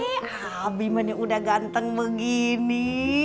hei abi mana udah ganteng begini